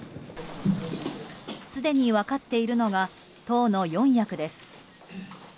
すでに分かっているのが党の４役です。